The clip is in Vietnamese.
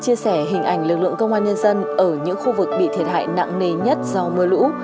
chia sẻ hình ảnh lực lượng công an nhân dân ở những khu vực bị thiệt hại nặng nề nhất do mưa lũ